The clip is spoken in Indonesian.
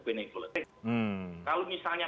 benevolent kalau misalnya